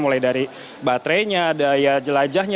mulai dari baterainya daya jelajahnya